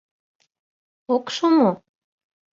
Ок шу мо?